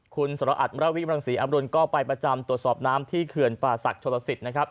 คุณสรอัตมรวิบรังศรีอำรุณก็ไปประจำตรวจสอบน้ำที่เขื่อนป่าศักดิโชลสิตนะครับ